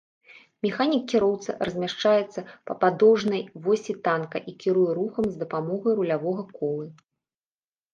Механік-кіроўца размяшчаецца па падоўжнай восі танка і кіруе рухам з дапамогай рулявога колы.